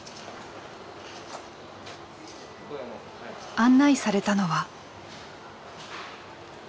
案内されたのは。